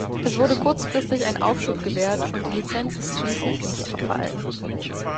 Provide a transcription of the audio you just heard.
Es wurde kurzfristig ein Aufschub gewährt und die Lizenz ist schließlich nicht verfallen.